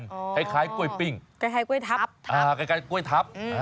อ๋อคล้ายคล้ายกล้วยปิ้งคล้ายคล้ายกล้วยทับอ่าคล้ายคล้ายกล้วยทับอืม